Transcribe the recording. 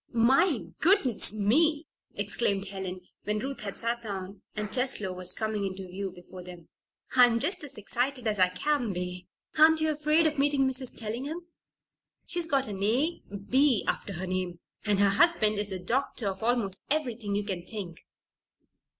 "My goodness me!" exclaimed Helen, when Ruth had sat down and Cheslow was coming into view before them. "I'm just as excited as I can be. Aren't you afraid of meeting Mrs. Tellingham? She's got an A. B. after her name. And her husband is a doctor of almost everything you can think!"